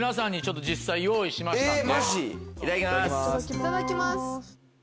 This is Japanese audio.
いただきます。